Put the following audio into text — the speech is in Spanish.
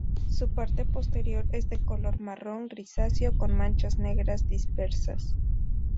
Su parte posterior es de color marrón grisáceo con manchas negras dispersas.